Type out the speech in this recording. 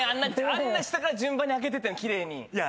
あんな下から順番に開けてったのに奇麗に。